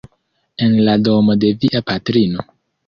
En la domo de via patrino?